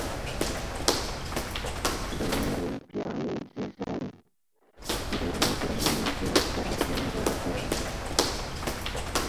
熔岩表面之上矗立着一座小中央峰。